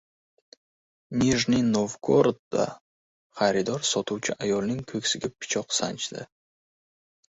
Nijniy Novgorodda xaridor sotuvchi ayolning ko‘ksiga pichoq sanchdi